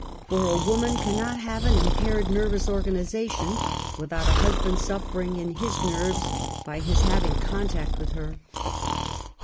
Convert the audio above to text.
For a women cannot have an impaired nervous organization without a husband suffering in his nerves by his having contact with her.